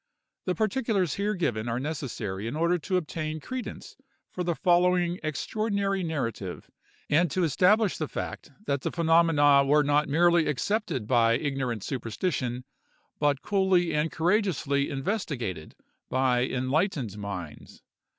The particulars here given are necessary in order to obtain credence for the following extraordinary narrative; and to establish the fact that the phenomena were not merely accepted by ignorant superstition, but coolly and courageously investigated by enlightened minds.